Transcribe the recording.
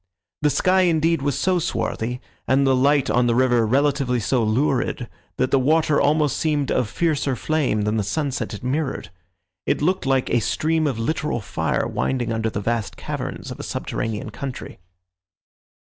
The sky, indeed, was so swarthy, and the light on the river relatively so lurid, that the water almost seemed of fiercer flame than the sunset it mirrored. It looked like a stream of literal fire winding under the vast caverns of a subterranean country.